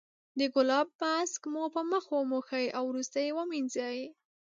د ګلاب ماسک مو په مخ وموښئ او وروسته یې ومینځئ.